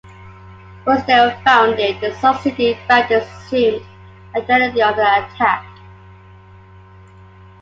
Once they were founded, the Sioux City Bandits assumed identity of the Attack.